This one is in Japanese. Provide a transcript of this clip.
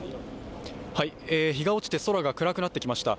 日が落ちて空が暗くなってきました。